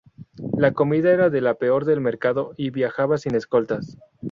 La comida era de la peor del mercado y viajaba sin escoltas.